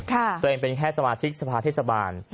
ตัวเองเป็นแค่สมาชิกสภาเทศบาล